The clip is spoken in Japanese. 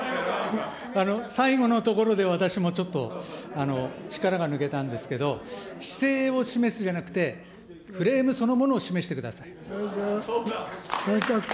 最後のところで、私もちょっと力が抜けたんですけど、姿勢を示すじゃなくて、フレームそのものを示してください。